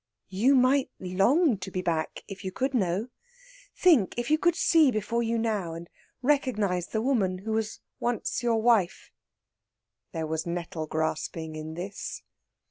"You might long to be back, if you could know. Think if you could see before you now, and recognise the woman who was once your wife." There was nettle grasping in this.